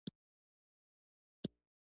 د میاشتنۍ ناروغۍ نیټه مو منظمه ده؟